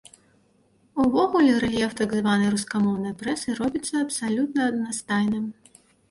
Увогуле рэльеф так званай рускамоўнай прэсы робіцца абсалютна аднастайным.